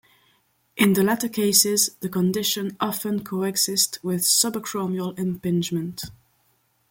In the latter cases the condition often co-exist with subacromial impingement.